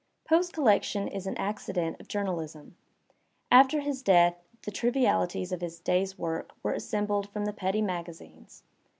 Poe's collection is an accident of journalism; after his death the trivialities of his day's work were assembled from the petty magazines.